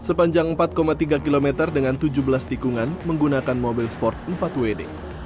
sepanjang empat tiga km dengan tujuh belas tikungan menggunakan mobil sport empat wd